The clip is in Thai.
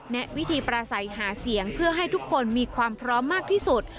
แวิธีปราศัยหาเสียงเพื่อให้ทุกคนมีความพร้อมมากที่สุด